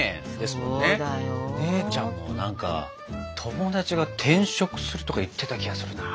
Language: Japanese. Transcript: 姉ちゃんも何か友達が転職するとか言ってた気がするな。